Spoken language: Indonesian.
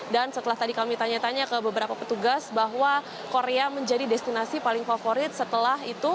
dan setelah tadi kami tanya tanya ke beberapa petugas bahwa korea menjadi destinasi paling favorit setelah itu